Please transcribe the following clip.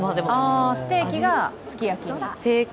ステーキすき焼き？